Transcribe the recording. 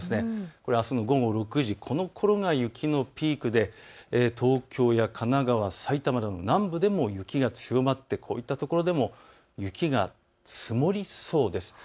これはあすの午後６時、このころが雪のピークで東京や神奈川、埼玉など南部でも雪が強まってこういった所でも雪が積もりそうです。